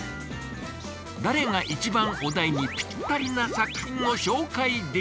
誰が一番お題にぴったりな作品を紹介できるか？